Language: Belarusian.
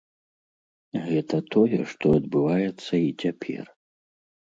Гэта тое, што адбываецца і цяпер.